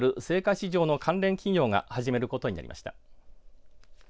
市場の関連企業が始めることになりました。